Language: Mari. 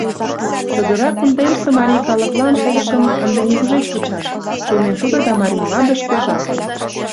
«Чодыра кундемсе марий калыклан полышым ынде нигушеч вучаш», — шонен тудо да марий мландыш кержалтын.